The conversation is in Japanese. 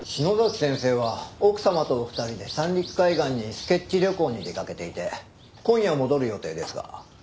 先生は奥様とお二人で三陸海岸にスケッチ旅行に出かけていて今夜戻る予定ですが。